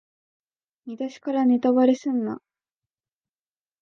見だしからネタバレすんな